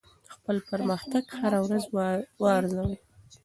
خپل پرمختګ هره ورځ وارزوئ.